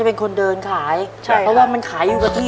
เพราะว่ามันขายอยู่กับที่